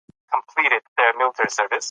قرباني په قلم او فکر سره وي.